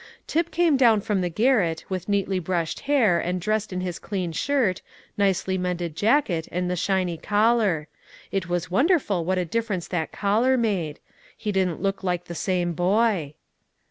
Tip came down from the garret, with neatly brushed hair, and dressed in his clean shirt, nicely mended jacket, and the shiny collar. It was wonderful what a difference that collar made; he didn't look like the same boy.